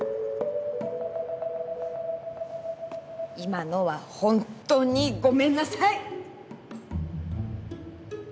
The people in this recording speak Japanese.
今のはホントにごめんなさい！